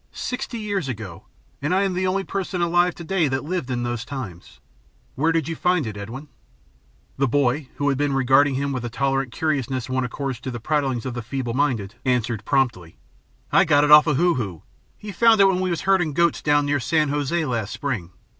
Sixty years ago, and I am the only person alive to day that lived in those times. Where did you find it, Edwin?" The boy, who had been regarding him with the tolerant curiousness one accords to the prattlings of the feeble minded, answered promptly. "I got it off of Hoo Hoo. He found it when we was herdin' goats down near San José last spring.